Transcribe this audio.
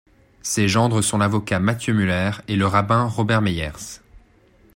Ses gendres sont l'avocat Mathieu Muller et le rabbin Robert Meyers.